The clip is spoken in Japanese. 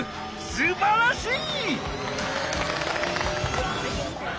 すばらしい！